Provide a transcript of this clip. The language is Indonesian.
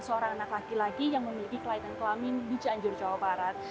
seorang anak laki laki yang memiliki kelainan kelamin di cianjur jawa barat